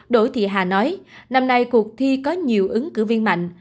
đỗ thị hà nói năm nay cuộc thi có nhiều ứng cử viên mạnh